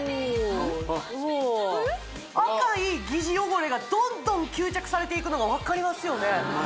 おおすごい赤い疑似汚れがどんどん吸着されていくのが分かりますよねホンマ